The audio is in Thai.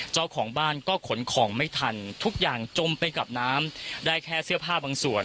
เจ้าของบ้านก็ขนของไม่ทันทุกอย่างจมไปกับน้ำได้แค่เสื้อผ้าบางส่วน